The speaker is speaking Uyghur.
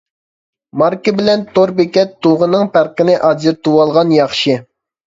ماركا بىلەن تور بېكەت تۇغىنىڭ پەرقىنى ئاجرىتىۋالغان ياخشى.